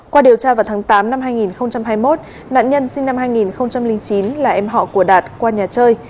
qua điều tra vào tháng tám năm hai nghìn hai mươi một nạn nhân sinh năm hai nghìn chín là em họ của đạt qua nhà chơi